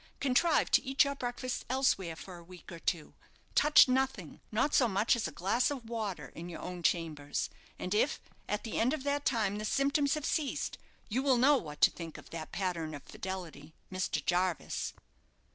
Contrive to eat your breakfast elsewhere for a week or two; touch nothing, not so much as a glass of water, in your own chambers; and if at the end of that time the symptoms have ceased, you will know what to think of that pattern of fidelity Mr. Jarvis."